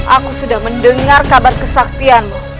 aku sudah mendengar kabar kesaktianmu